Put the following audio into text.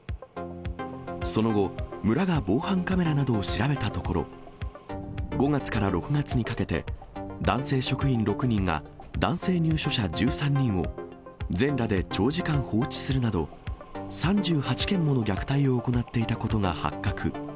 その後、村が防犯カメラなどを調べたところ、５月から６月にかけて、男性職員６人が男性入所者１３人を、全裸で長時間放置するなど、３８件もの虐待を行っていたことが発覚。